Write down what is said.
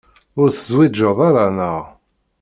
Ur tezwiǧeḍ ara, neɣ?